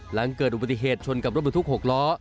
หลังเกิดอุบัติเหตุชนกับรถบรรทุก๖ล้อ